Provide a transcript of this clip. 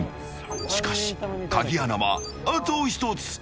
しかし、鍵穴はあと１つ。